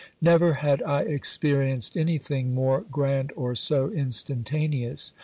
Never had I experienced anything more grand or so instantaneous.